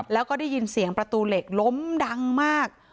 แล้วก็ได้ยินเสียงประตูเหล็กล้มดังมาก